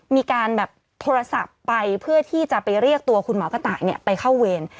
มีการแบบโทรศัพท์ไปเพื่อที่จะไปเรียกตัวคุณหมอกระต่ายไปเข้าเวร